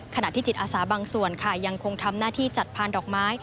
ขณะที่จิตอาสาบางส่วนค่ะยังคงทำหน้าที่จัดพานดอกไม้